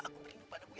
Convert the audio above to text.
aku berlindung pada gue